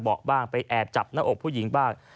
บ้างไปแอบจับหน้าอกผู้หญิงบ้าง